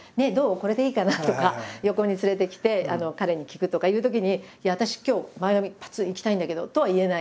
これでいいかな？」とか横に連れて来て彼に聞くとかいうときに「いや私今日前髪パツン！いきたいんだけど」とは言えない。